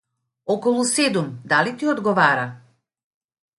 околу седум, дали ти одговара?